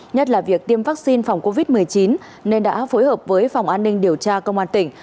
nhất là việc tiêm vaccine phòng covid một mươi chín nên đã phối hợp với phòng an ninh điều tra công an tỉnh